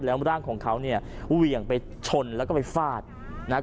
แล้วร่างของเขาเนี่ยเหวี่ยงไปชนแล้วก็ไปฟาดนะครับ